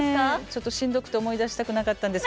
ちょっとしんどくて思い出したくなかったんです。